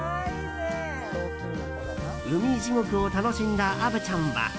海地獄を楽しんだ虻ちゃんは。